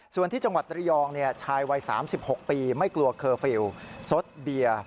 ส่วนที่จังหวัดระยองชายวัย๓๖ปีไม่กลัวเคอร์ฟิลล์สดเบียร์